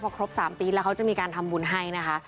พอครบ๓ปีแล้วเขาจะมีการทำบุญให้นะคะ